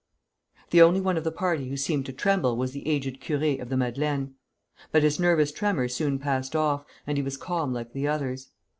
The only one of the party who seemed to tremble was the aged curé of the Madeleine; but his nervous tremor soon passed off, and he was calm like the others.